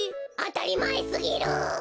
あたりまえすぎる。